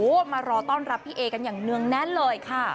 มารอต้อนรับพี่เอกันอย่างเนื่องแน่นเลยค่ะ